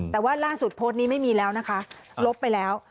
แต่ว่าล่าสุดโพสต์นี้ไม่มีแล้วนะคะลบไปแล้ว